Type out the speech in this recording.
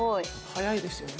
速いですよね。